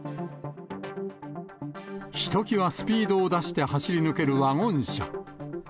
ひときわスピードを出して走り抜けるワゴン車。